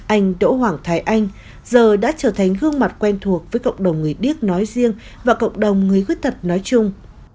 anh đỗ hoàng thái anh giờ đã trở thành gương mặt quen thuộc với cộng đồng người điếc nói riêng và cộng đồng người khuyết tật nói chung